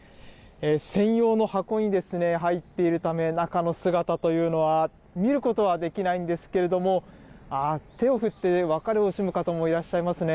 専用の箱に入っているため、中の姿というのは見ることはできないんですけれども、ああ、手を振って別れを惜しむ方もいらっしゃいますね。